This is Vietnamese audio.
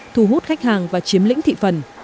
thú hút khách hàng và chiếm lĩnh thị phần